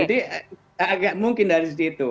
jadi agak mungkin dari situ